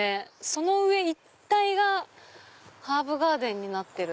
その上一帯がハーブガーデンになってる。